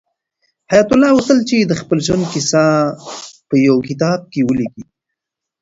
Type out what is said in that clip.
حیات الله غوښتل چې د خپل ژوند کیسه په یو کتاب کې ولیکي.